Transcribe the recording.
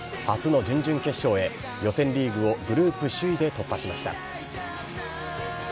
初の準々決勝へ、予選リーグをグループ首位で突破しました。